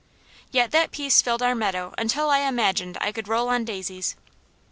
Yet that piece filled our meadow until I imagined I could roll on daisies.